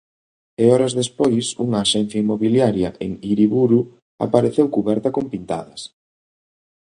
E horas despois unha axencia inmobiliaria en Hiriburu apareceu cuberta con pintadas.